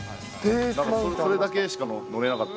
それだけしか乗れなかった。